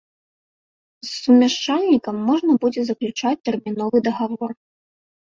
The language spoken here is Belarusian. З сумяшчальнікам можна будзе заключаць тэрміновы дагавор.